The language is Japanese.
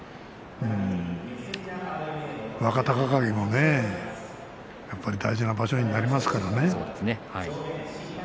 若隆景もね、やっぱり大事な場所になりますからね。